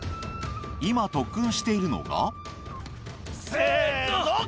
今特訓しているのが。せーの！